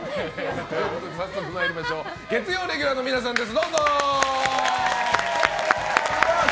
では早速参りましょう月曜レギュラーの皆さんです。